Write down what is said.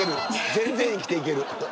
全然生きていける。